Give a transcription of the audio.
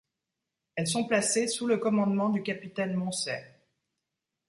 Elles sont placées sous le commandement du capitaine Moncey.